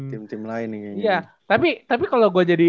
tim tim lain nih kayaknya